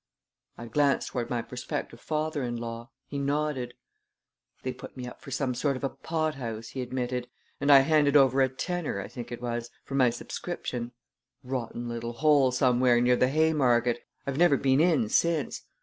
I glanced toward my prospective father in law. He nodded. "They put me up for some sort of a pothouse," he admitted, "and I handed over a tenner, I think it was, for my subscription. Rotten little hole somewhere near the Haymarket! I've never been in since.